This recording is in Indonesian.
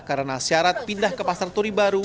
karena syarat pindah ke pasar turi baru